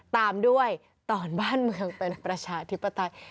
ตามด้วยตอนบ้านเมืองเป็นประชาธิปไตย